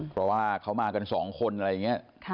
เพราะว่าเขามากันสองคนอะไรอย่างนี้